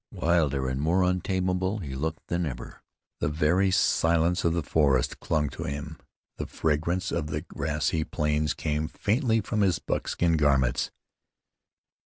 Wilder and more untamable he looked than ever. The very silence of the forest clung to him; the fragrance of the grassy plains came faintly from his buckskin garments.